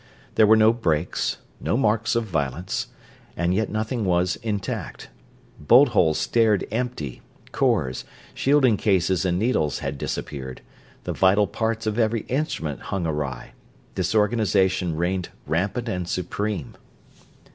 There were no breaks, no marks of violence, and yet nothing was intact. Bolt holes stared empty, cores, shielding cases and needles had disappeared, the vital parts of every instrument hung awry, disorganization reigned rampant and supreme.